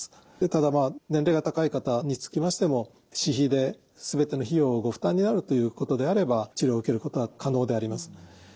ただ年齢が高い方につきましても私費で全ての費用をご負担になるということであれば治療を受けることは可能であります。